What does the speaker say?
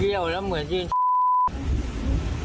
เรียวแล้วเหมือนดีอีก